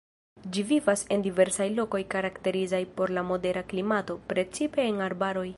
Ĝi vivas en diversaj lokoj karakterizaj por la modera klimato, precipe en arbaroj.